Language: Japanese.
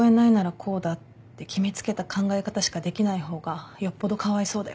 こうだって決めつけた考え方しかできない方がよっぽどかわいそうだよ。